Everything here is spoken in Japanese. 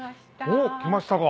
おっ来ましたか。